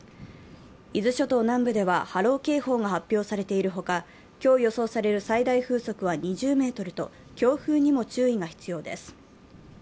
伊豆諸島南部では波浪警報が発表されているほか、今日予想される最大風速は２０メートルと強風にも注意が必要です。